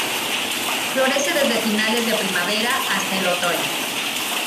Florece desde finales de primavera hasta el otoño.